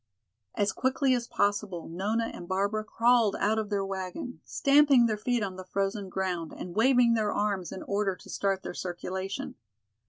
As quickly as possible Nona and Barbara crawled out of their wagon, stamping their feet on the frozen ground and waving their arms in order to start their circulation.